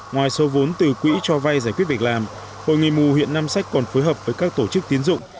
ngoài số vốn từ quỹ cho vay giải quyết việc làm hội người mù huyện nam sách còn phối hợp với các tổ chức tiến dụng